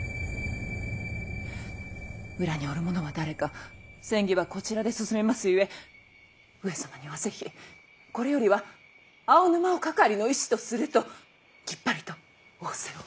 裏におる者は誰か詮議はこちらで進めますゆえ上様にはぜひこれよりは青沼をかかりの医師とするときっぱりと仰せを。